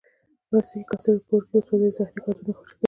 پلاستيکي کڅوړې که په اور وسوځي، زهري ګازونه خوشې کوي.